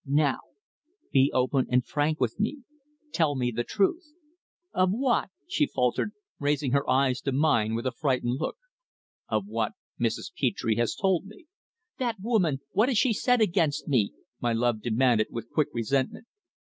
"Now, be open and frank with me tell me the truth." "Of what?" she faltered, raising her eyes to mine with a frightened look. "Of what Mrs. Petre has told me." "That woman! What has she said against me?" my love demanded with quick resentment.